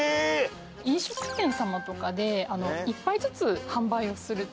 飲食店様とかで一杯ずつ販売をするために。